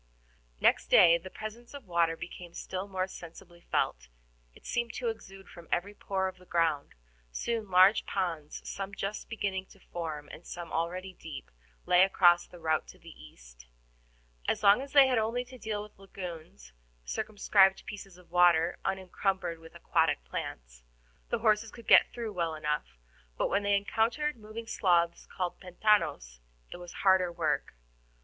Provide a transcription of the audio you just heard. Next day the presence of water became still more sensibly felt; it seemed to exude from every pore of the ground. Soon large ponds, some just beginning to form, and some already deep, lay across the route to the east. As long as they had only to deal with lagoons, circumscribed pieces of water unencumbered with aquatic plants, the horses could get through well enough, but when they encountered moving sloughs called PENTANOS, it was harder work.